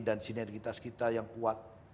dan sinergitas kita yang kuat